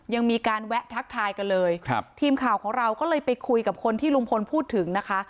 ยังมีการแวะทักทายกันเลยครับทีมข่าวของเราก็เลยไปคุยกับคนที่ลุงพลพูดถึงนะคะ